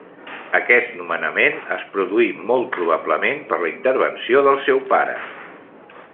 Aquest nomenament es produí molt probablement per la intervenció del seu pare.